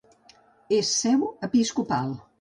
És seu episcopal.